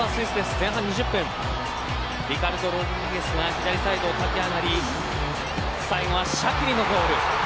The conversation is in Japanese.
前半２０分リカルド・ロドリゲスが左サイドを駆け上がり最後はシャキリのゴール。